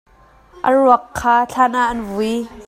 A ruak kha thlan ah an vui.